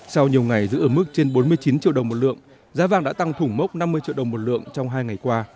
sau nhiều ngày giữ ở mức trên bốn mươi chín triệu đồng một lượng giá vàng đã tăng thủng mốc năm mươi triệu đồng một lượng trong hai ngày qua